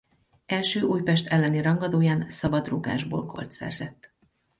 Első Újpest elleni rangadóján szabadrúgásból gólt szerzett.